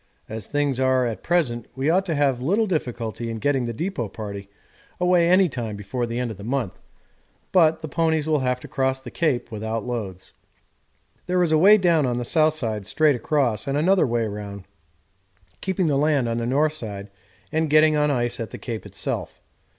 As things are at present we ought to have little difficulty in getting the depot party away any time before the end of the month, but the ponies will have to cross the Cape without loads. There is a way down on the south side straight across, and another way round, keeping the land on the north side and getting on ice at the Cape itself.